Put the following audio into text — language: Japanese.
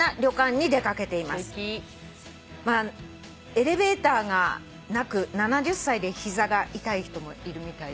まあエレベーターがなく７０歳で膝が痛い人もいるみたいで。